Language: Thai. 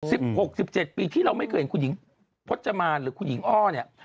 หกสิบเจ็ดปีที่เราไม่เคยเห็นคุณหญิงพจมานหรือคุณหญิงอ้อเนี่ย